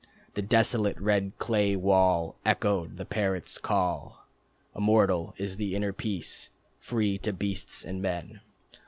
The desolate red clay wall Echoed the parrots' call: "Immortal is the inner peace, free to beasts and men.